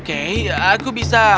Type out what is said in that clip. oke aku bisa